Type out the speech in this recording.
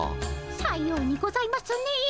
さようにございますねえ。